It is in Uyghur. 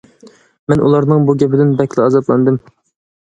مەن ئۇلارنىڭ بۇ گېپىدىن بەكلا ئازابلاندىم.